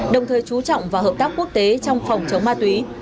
đồng thời trú trọng vào hợp tác quốc tế trong phòng chống ma túy